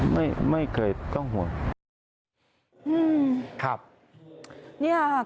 ไม่เคยต้องห่วง